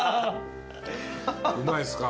うまいっすか？